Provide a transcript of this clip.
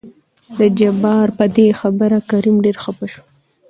د جبار په دې خبره کريم ډېر خپه شو.